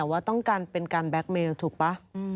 ว่าต้องการเป็นการแก๊กเมลถูกป่ะ